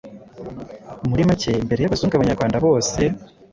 Muri make, mbere y'Abazungu, Abanyarwanda bose